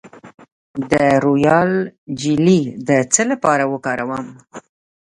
د رویال جیلی د څه لپاره وکاروم؟